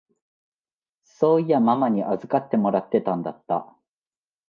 そういやママに預かってもらってたんだった。